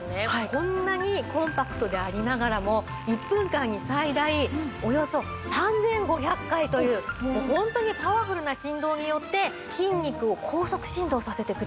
こんなにコンパクトでありながらも１分間に最大およそ３５００回というもうホントにパワフルな振動によって筋肉を高速振動させてくれるんです。